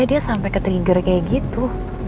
dia sampai ketrigger kayak gitu